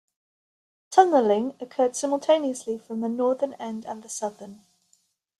Tunnelling occurred simultaneously from the northern end and the southern.